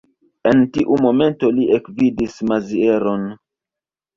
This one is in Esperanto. En tiu momento li ekvidis Mazieron.